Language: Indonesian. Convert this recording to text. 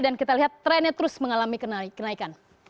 dan kita lihat trennya terus mengalami kenaikan